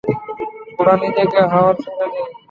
ঘোড়া নিজেকে হাওয়ায় ছুঁড়ে দেয়।